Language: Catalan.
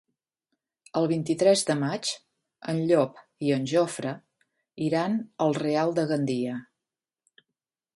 El vint-i-tres de maig en Llop i en Jofre iran al Real de Gandia.